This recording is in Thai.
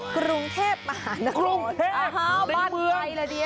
กรุงเทพฯอาหารละครนั้นครับดิงเมืองอาฮ่าบ้านไหนละเนี่ย